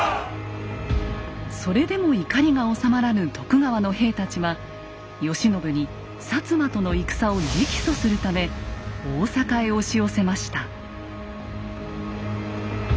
それでも怒りがおさまらぬ徳川の兵たちは慶喜に摩との戦を直訴するため大坂へ押し寄せました。